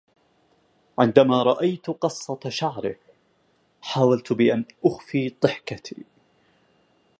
عندما رأيت قصة شعره، حاولت بأن أخفي ضحكتي.